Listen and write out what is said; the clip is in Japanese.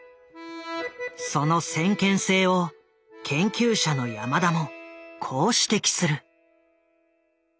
その先見性を研究者のヤマダもこう指摘する。